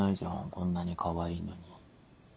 こんなにかわいいのに。